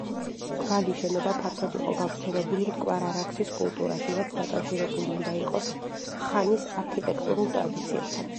მრგვალი შენობა ფართოდ იყო გავრცელებული მტკვარ-არაქსის კულტურაში, რაც დაკავშირებული უნდა იყოს ხანის არქიტექტურულ ტრადიციებთან.